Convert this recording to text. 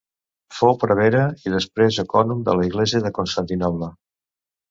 Fou prevere i després ecònom de l'església de Constantinoble.